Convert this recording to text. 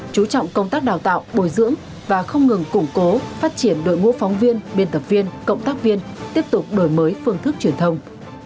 chú trọng công tác đào tạo bồi dưỡng và không ngừng củng cố phát triển đội ngũ phóng viên biên tập viên cộng tác viên tiếp tục đổi mới phương thức truyền thông